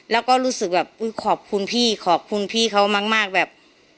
แล้วก็รู้สึกแบบอุ๊ยขอบคุณพี่ขอบคุณพี่เขามากแบบ